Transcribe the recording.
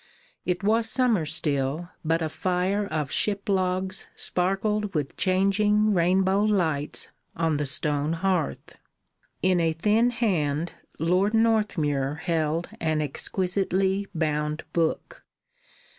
It was summer still, but a fire of ship logs sparkled with changing rainbow lights on the stone hearth. In a thin hand, Lord Northmuir held an exquisitely bound book.